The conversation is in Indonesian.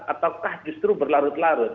ataukah justru berlarut larut